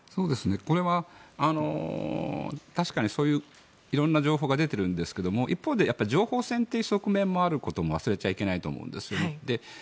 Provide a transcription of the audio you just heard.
これは、確かにそういう色々な情報が出ているんですが一方で情報戦という側面があることも忘れちゃいけないと思うんです。